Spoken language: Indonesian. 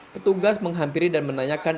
petugas menghampiri dan menanyakan